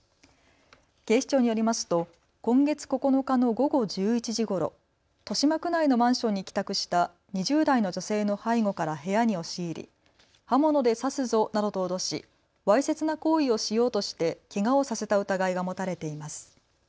警視庁によりますと今月９日の午後１１時ごろ、豊島区内のマンションに帰宅した２０代の女性の背後から部屋に押し入り刃物で刺すぞなどと脅しわいせつな行為をしようとしてけがをさせた疑いが持たれています。